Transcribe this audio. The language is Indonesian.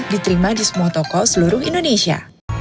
diterima di semua toko seluruh indonesia